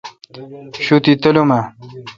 شوتی تلوم اؘ۔